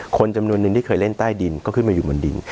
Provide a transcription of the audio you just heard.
คนจำนวนนึงที่เคยเล่นใต้ดินก็ขึ้นมาอยู่บนดิน